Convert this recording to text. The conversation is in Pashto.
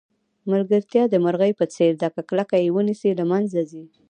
ملګرتیا د مرغۍ په څېر ده که کلکه یې ونیسئ له منځه ځي.